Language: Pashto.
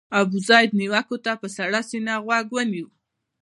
ابوزید نیوکو ته په سړه سینه غوږ ونیو.